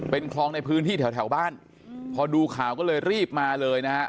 เป็นคลองในพื้นที่แถวแถวบ้านพอดูข่าวก็เลยรีบมาเลยนะฮะ